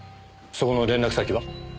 そこの連絡先は？